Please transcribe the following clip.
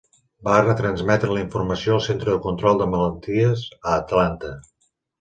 Va retransmetre la informació al Centre de Control de Malalties a Atlanta.